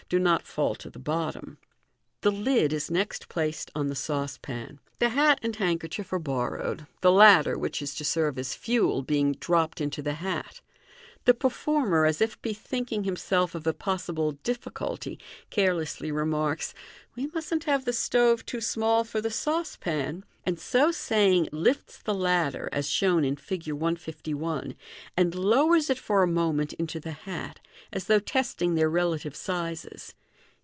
do not fall to the bottom. The lid is next placed on the saucepan. The hat and handkerchief are borrowed, the latter, which is to serve as fuel, being dropped into the hat The performer, as if be thinking himself of a possible difficulty, care lessly remarks, " We mustn't have the stove too small for the sauce pan;" and so saying, lifts the latter, as shown in Fig. 151, and lowers it for a moment into the hat, as though testing their relative sizes.